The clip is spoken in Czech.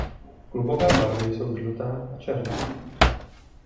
Klubové barvy jsou žlutá a černá.